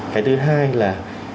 cái thứ hai là